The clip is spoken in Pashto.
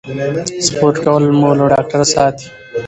سپورت کول مو له ډاکټره ساتي.